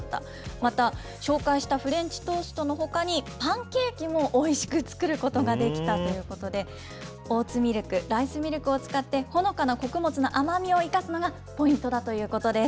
また、紹介したフレンチトーストのほかにパンケーキもおいしく作ることができたということで、オーツミルク、ライスミルクを使ってほのかな穀物の甘みを生かすのがポイントだということです。